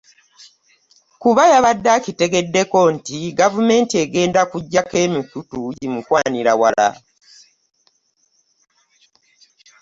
Kuba yabadde akitegeddeko nti gavumenti egenda kuggyako emikutu gimukwanirawa